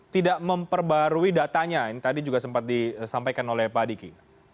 tidak memperbarui datanya ini tadi juga sempat disampaikan oleh pak adiki